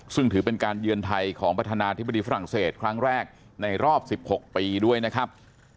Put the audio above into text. ซึ่งถือเป็นการเยือนไทยของประธานาธิบดีฝรั่งเศสครั้งแรกในรอบ๑๖ปีด้วยนะครับ